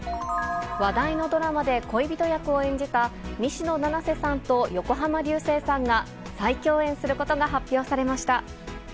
話題のドラマで恋人役を演じた、西野七瀬さんと横浜流星さんが再共演することが発表されました。